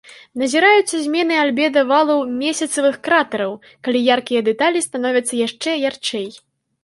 Назіраюцца змены альбеда валаў месяцавых кратэраў, калі яркія дэталі становяцца яшчэ ярчэй.